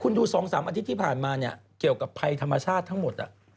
คุณดู๒๓อาทิตย์ที่ผ่านมาเนี่ยเกี่ยวกับภัยธรรมชาติทั้งหมด